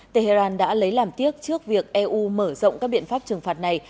tehran đã lấy làm tiếc trước việc eu mở rộng các biện pháp trừng phạt này